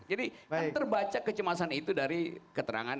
jadi terbaca kecemasan itu dari keterangan